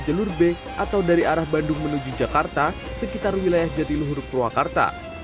jalur b atau dari arah bandung menuju jakarta sekitar wilayah jatiluhur purwakarta